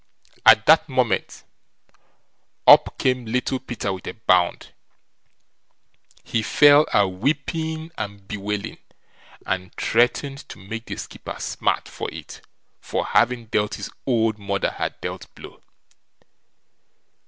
At that moment, up came Little Peter with a bound; he fell a weeping and bewailing, and threatened to make the skipper smart for it, for having dealt his old mother her death blow.